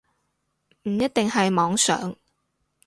唔一定係妄想